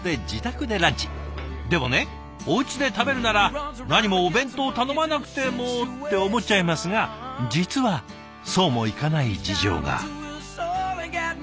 でもねおうちで食べるならなにもお弁当頼まなくてもって思っちゃいますが実はそうもいかない事情が。